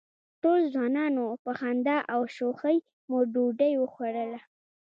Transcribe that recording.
ټول ځوانان وو، په خندا او شوخۍ مو ډوډۍ وخوړله.